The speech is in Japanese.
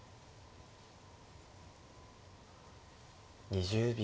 ２０秒。